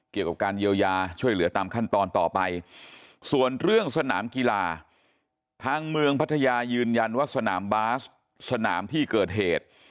เกี่ยวกับการเยียวยาช่วยเหลือตามขั้นตอนต่อไปส่วนเรื่องสนามกีฬาทางเมืองพัทยายืนยันว่าสนามบาสสนามที่เกิดเหตุ